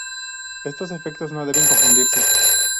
Estos efectos no deben confundirse.